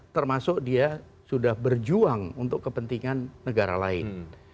termasuk dia sudah berjuang untuk kepentingan negara lain